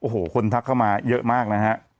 ก็คนทักเข้ามาเยอะมากนะครับ